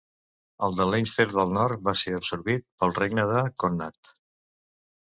El de Leinster del Nord va ser absorbit pel Regne de Connacht.